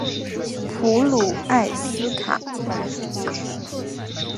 普卢埃斯卡。